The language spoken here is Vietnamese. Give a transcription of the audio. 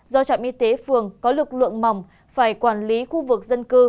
do trạm y tế phường có lực lượng mỏng phải quản lý khu vực dân cư